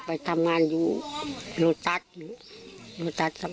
เพื่อวางไม่ได้กลับมาบ้าน